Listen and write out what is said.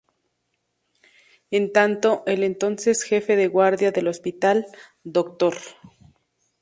En tanto, el entonces Jefe de Guardia del hospital, Dr.